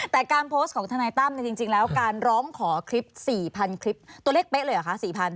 แต่การโพสต์ของทนายตั้มเนี่ยจริงจริงแล้วการร้องขอคลิปสี่พันคลิปตัวเลขเป๊ะเลยเหรอคะสี่พัน